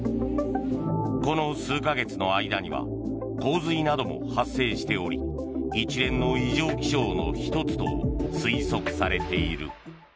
この数か月の間には洪水なども発生しており一連の異常気象の１つと推測されている。